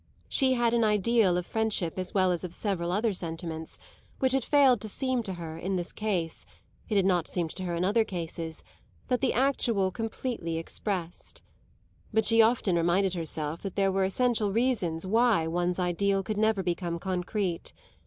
She had an ideal of friendship as well as of several other sentiments, which it failed to seem to her in this case it had not seemed to her in other cases that the actual completely expressed it. But she often reminded herself that there were essential reasons why one's ideal could never become concrete.